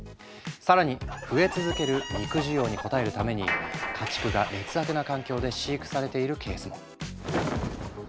更に増え続ける肉需要に応えるために家畜が劣悪な環境で飼育されているケースも。